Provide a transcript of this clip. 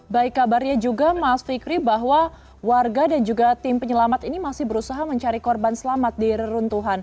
baik kabarnya juga mas fikri bahwa warga dan juga tim penyelamat ini masih berusaha mencari korban selamat di reruntuhan